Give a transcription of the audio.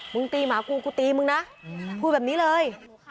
มึงตีหมากูกูกูตีมึงนะพูดแบบนี้เลย